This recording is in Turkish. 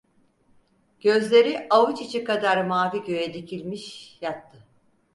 Gözleri, avuç içi kadar mavi göğe dikilmiş, yattı.